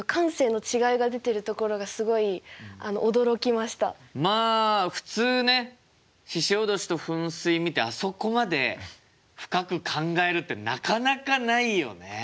まずあのまあ普通ね鹿おどしと噴水見てあそこまで深く考えるってなかなかないよね。